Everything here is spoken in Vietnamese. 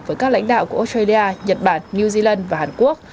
với các lãnh đạo của australia nhật bản new zealand và hàn quốc